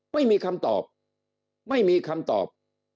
ไม่มีคำตอบไม่มีคำตอบ